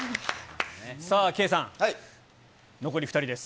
さあ、圭さん、残り２人です。